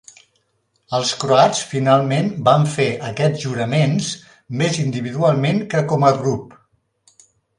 Els croats finalment van fer aquests juraments, més individualment que com a grup.